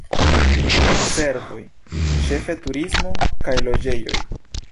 Servoj, ĉefe turismo, kaj loĝejoj.